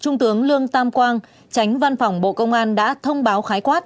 trung tướng lương tam quang tránh văn phòng bộ công an đã thông báo khái quát